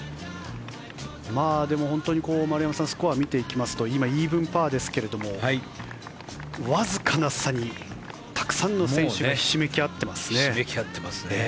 でも本当に丸山さんスコアを見ていきますと今、イーブンパーですけれどもわずかな差にたくさんの選手がひしめき合っていますね。